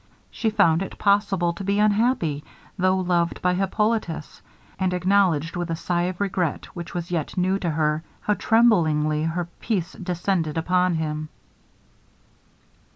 She found it possible to be unhappy, though loved by Hippolitus; and acknowledged with a sigh of regret, which was yet new to her, how tremblingly her peace depended upon him.